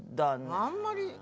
あんまり。